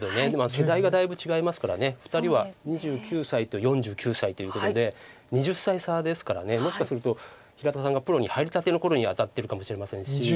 世代がだいぶ違いますから２人は２９歳と４９歳ということで２０歳差ですからもしかすると平田さんがプロに入りたての頃に当たってるかもしれませんし。